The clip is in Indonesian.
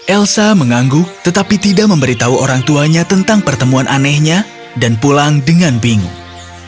elsa mengangguk tetapi tidak memberitahu orang tuanya tentang pertemuan anehnya dan pulang dengan bingung